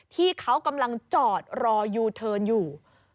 ที่เขากำลังจอดรอยูเทิร์นอยู่